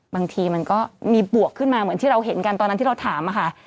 บางทีมันก็มีบวกขึ้นมาเหมือนที่เราเห็นกันตอนนั้นที่เราถามค่ะ